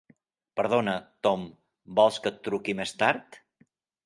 Perdona, Tom, vols que et truqui més tard?